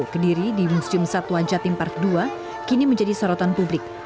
kediri di museum satuan jatim park dua kini menjadi sorotan publik